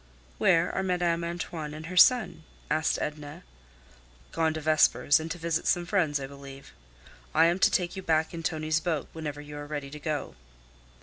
"Where are Madame Antoine and her son?" asked Edna. "Gone to Vespers, and to visit some friends, I believe. I am to take you back in Tonie's boat whenever you are ready to go."